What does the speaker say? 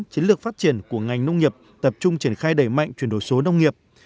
chiến lược phát triển của ngành nông nghiệp tập trung triển khai đẩy mạnh chuyển đổi số nông nghiệp